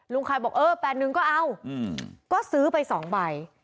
ลุงคลายบอก๘๑ก็เอาก็ซื้อไป๒ใบ